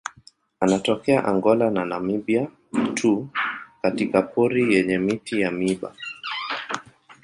Anatokea Angola na Namibia tu katika pori yenye miti ya miiba.